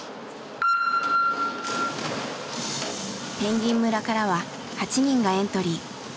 ぺんぎん村からは８人がエントリー。